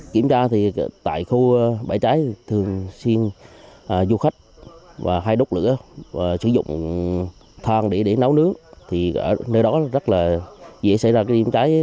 kiểm tra thì tại khu bãi cháy thường xuyên du khách hay đốt lửa và sử dụng thang để nấu nướng thì ở nơi đó rất là dễ xảy ra cái điểm cháy